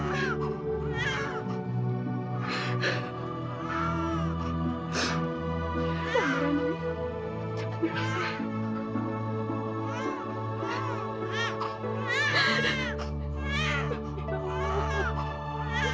tapi jangan buang susu anakku